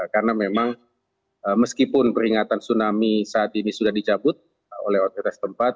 karena memang meskipun peringatan tsunami saat ini sudah dicabut oleh otoritas tempat